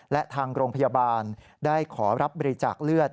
และทางโรงพยาบาลได้ขอรับบริจาคเลือด